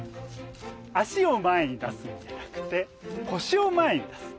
脚を前に出すんじゃなくて腰を前に出す。